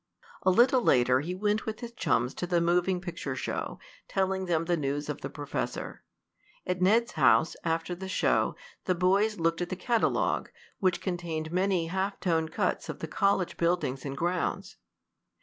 A little later he went with his chums to the moving picture show, telling them the news of the professor. At Ned's house, after the show, the boys looked at the catalogue, which contained many half tone cuts of the college buildings and grounds.